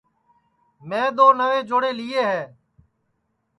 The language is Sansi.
میں دؔو نئوے جوڑے لئیے ہے